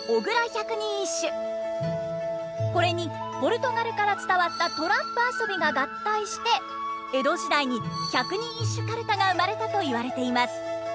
これにポルトガルから伝わったトランプ遊びが合体して江戸時代に百人一首かるたが生まれたといわれています。